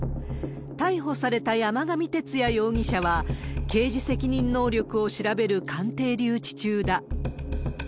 逮捕された山上徹也容疑者は、刑事責任能力を調べる鑑定留置中だ。